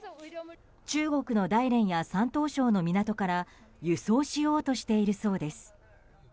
中国の大連や山東省の港から輸送しようとしているそうです。